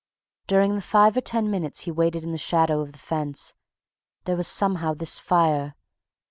During the five or ten minutes he waited in the shadow of the fence, there was somehow this fire...